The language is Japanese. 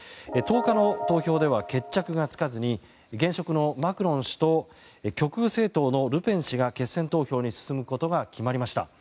１０日の投票では決着がつかずに現職のマクロン氏と極右政党のルペン氏が決選投票に進むことが分かりました。